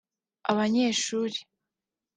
abanyeshuri